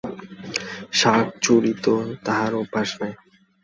শাক-চুরি তো তাঁহার অভ্যাস নাই।